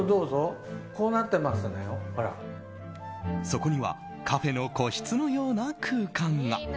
そこにはカフェの個室のような空間が。